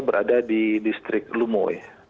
berada di distrik lumowe